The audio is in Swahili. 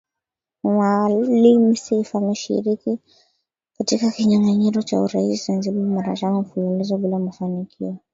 Maalim Seif ameshiriki katika kinyanganyiro cha urais Zanzibar mara tano mfululizo bila mafanikio